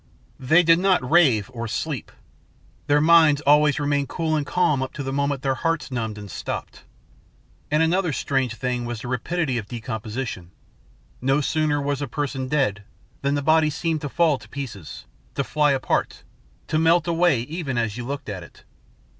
They did not rave or sleep. Their minds always remained cool and calm up to the moment their heart numbed and stopped. And another strange thing was the rapidity of decomposition. No sooner was a person dead than the body seemed to fall to pieces, to fly apart, to melt away even as you looked at it.